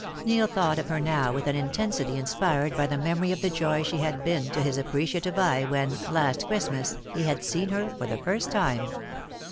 Neil thought of her now with an intensity inspired by the memory of the joy she had been to his appreciative eye when, last Christmas, he had seen her for the first time.